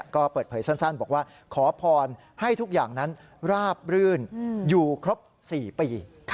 ก็เปิดเผยสั้นบอกว่าขอพรให้ทุกอย่างนั้นราบรื่นอยู่ครบ๔ปี